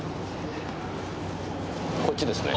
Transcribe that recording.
こっちですね。